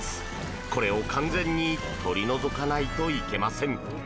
これを完全に取り除かないといけません。